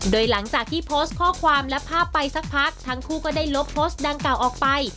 โดยหลังจากที่โพสต์ข้อความและภาพไปสักพักทั้งคู่ก็ได้ลบโพสต์ดังกล่าวออกไป